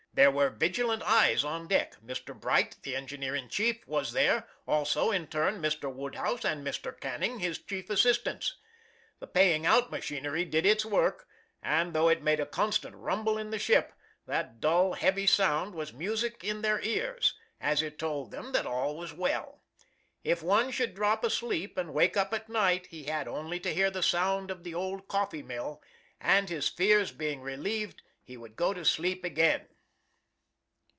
There were vigilant eyes on deck Mr. Bright, the engineer in chief, was there; also, in turn, Mr. Woodhouse and Mr. Canning, his chief assistants.... The paying out machinery did its work, and though it made a constant rumble in the ship, that dull, heavy sound was music in their ears, as it told them that all was well. If one should drop asleep, and wake up at night, he had only to hear the sound of 'the old coffee mill' and, his fears being relieved, he would go to sleep again."